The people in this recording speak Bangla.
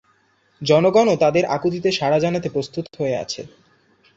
জনগণও তাদের আকুতিতে সাড়া জানাতে প্রস্তুত হয়ে আছে।